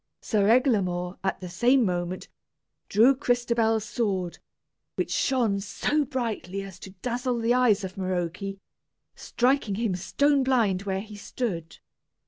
Sir Eglamour, at the same moment, drew Crystabell's sword, which shone so brightly as to dazzle the eyes of Maroke, striking him stone blind where he stood.